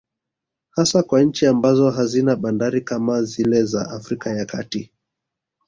Hasa kwa nchi ambazo hazina bandari kama zile za Afrika ya kati